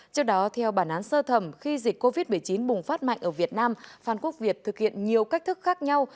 trước đó theo bản án sơ thẩm khi dịch covid một mươi chín bùng phát mạnh ở việt nam phan quốc việt thực hiện nhiều cách thức khác nhau